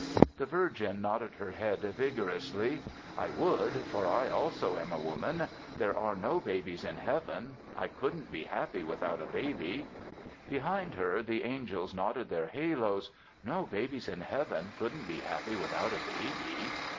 The Virgin nodded her head vigorously. "I would, for I also am a woman. There are no babies in Heaven. I couldn't be happy without a baby." Behind her the angels nodded their haloes. "No babies in Heaven. Couldn't be happy without a baby."